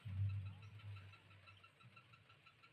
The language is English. Phat's powers seem to be less effective in moments of stress.